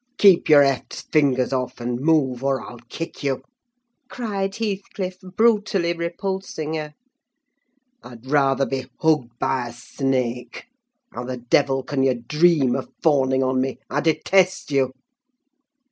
"Keep your eft's fingers off; and move, or I'll kick you!" cried Heathcliff, brutally repulsing her. "I'd rather be hugged by a snake. How the devil can you dream of fawning on me? I detest you!"